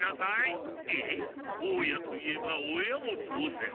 大家といえば親も同ぜん。